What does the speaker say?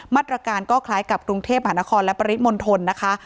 มาตรการก็คล้ายกับกรุงเทพหานครและปริมณฑลนะคะ